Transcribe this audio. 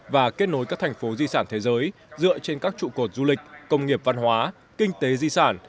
và kết nối các thành phố di sản thế giới dựa trên các trụ cột du lịch công nghiệp văn hóa kinh tế di sản